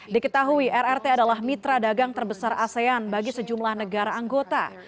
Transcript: diketahui rrt adalah mitra dagang terbesar asean bagi sejumlah negara anggota